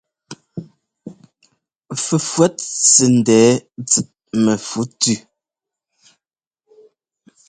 Fɛfʉ̈ɔt sɛ́ ńdɛɛ tsɛt mɛfu tʉ́.